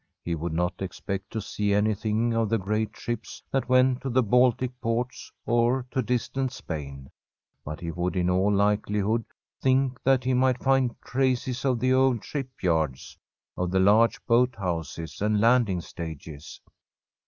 He would not expect to see anything of the great ships that went to the Baltic ports or to distant Spain, but he would in all likelihood think that he might find traces of the old ship yards, of the large boat houses and landing stages.